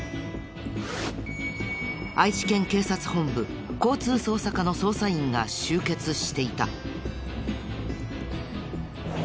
愛知県警察本部交通捜査課の捜査員が集結していた。